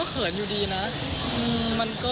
ก็เผินอยู่เนี่ยแหละค่ะ